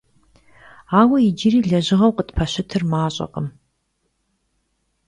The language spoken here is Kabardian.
Aue yicıri lejığeu khıtpeşıtır maş'ekhım.